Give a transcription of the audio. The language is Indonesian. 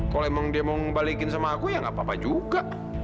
kalau emang dia mau ngebalikin sama aku ya gak apa apa juga